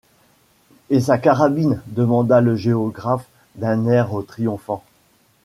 Et sa carabine? demanda le géographe d’un air triomphant.